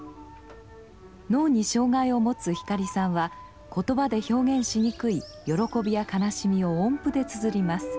脳に障害をもつ光さんは言葉で表現しにくい喜びや悲しみを音符でつづります。